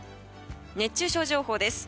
熱中症情報です。